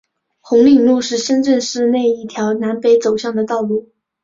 红岭路是深圳市内一条南北走向的道路。